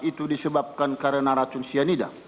itu disebabkan karena racun cyanida